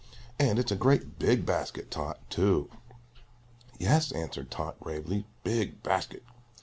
And it's a great big basket, Tot, too." "Yes," answered Tot, gravely, "big basket!"